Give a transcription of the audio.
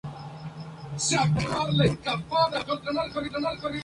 Hace mucho tiempo se divorciaron, ella reside en Oxford, Mississippi.